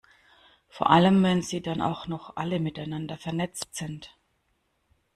Vor allem, wenn sie dann auch noch alle miteinander vernetzt sind.